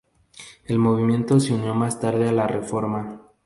El movimiento se unió más tarde a la Reforma.